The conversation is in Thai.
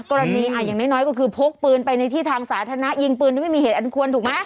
อย่างน้อยก็คือพกปืนไปในที่ทางสาธารณะยิงปืนโดยไม่มีเหตุอันควรถูกไหม